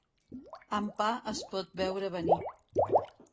Amb pa es pot veure venir.